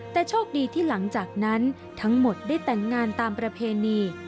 แต่โชคดีที่หลังจากนั้นทั้งหมดได้แต่งงานตามประเพณี